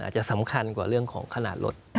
จะสำคัญกว่าเรื่องของขนาดรถ